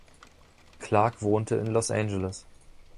Clark wohnte in Los Angeles.